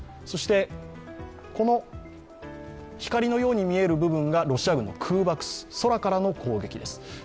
そして、光のように見える部分がロシア軍の空爆、空からの攻撃です。